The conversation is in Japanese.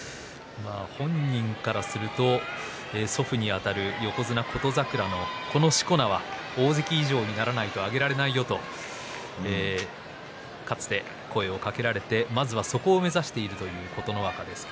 本人からすると祖父にあたる横綱琴櫻もこの、しこ名は大関以上にならないとあげられないよとかつて声をかけられてまずはそこを目指しているという琴ノ若です。